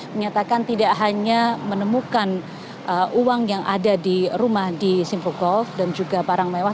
menyatakan tidak hanya menemukan uang yang ada di rumah di simprogolf dan juga barang mewah